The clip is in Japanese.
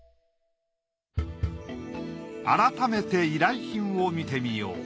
改めて依頼品を見てみよう。